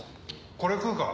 これ食うか？